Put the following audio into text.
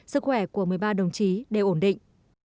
sức khỏe của một mươi ba đồng chí đều ổn định